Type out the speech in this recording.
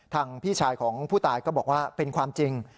พี่ชายของผู้ตายก็บอกว่าเป็นความจริง